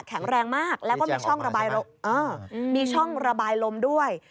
แข็งแรงมากและมีช่องระบายลมด้วย